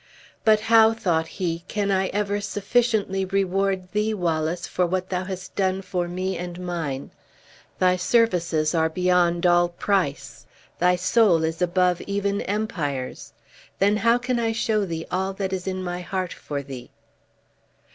"But how," thought he, "can I ever sufficiently reward thee, Wallace, for what thou hast done for me and mine? Thy services are beyond all price; thy soul is above even empires. Then how can I show thee all that is in my heart for thee?"